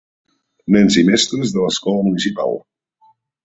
Nens i mestres de l'escola municipal.